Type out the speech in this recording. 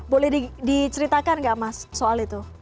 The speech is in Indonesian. boleh diceritakan nggak mas soal itu